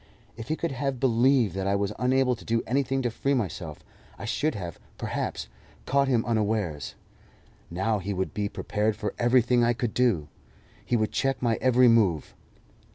If he could have believed that I was unable to do anything to free myself, I should have, perhaps, caught him unawares. Now he would be prepared for everything I could do; he would check my every move.